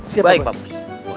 siap pak bos